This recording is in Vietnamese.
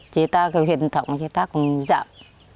thì ta cái huyết thống thì ta cũng giảm